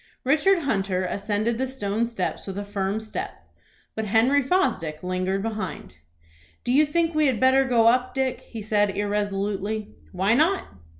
Richard Hunter ascended the stone steps with a firm step, but Henry Fosdick lingered behind. "Do you think we had better go up, Dick?" he said irresolutely. "Why not?"